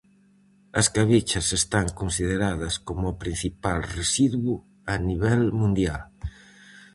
As cabichas están consideradas coma o principal residuo a nivel mundial.